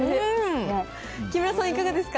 木村さん、いかがですか。